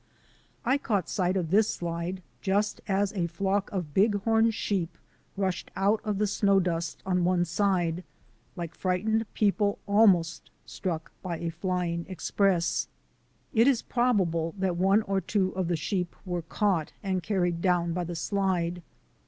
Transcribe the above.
I caught sight of this slide just as a flock of Bighorn sheep rushed out of the snow dust on one side, like frightened people almost struck by a fly ing express. It is probable that one or two of the sheep were caught and carried down by the slide.